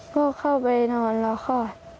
ก็เข้าไปนอนแล้วค่ะ